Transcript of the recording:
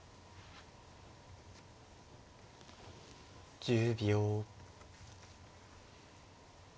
１０秒。